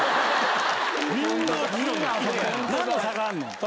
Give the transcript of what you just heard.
何の差があるの？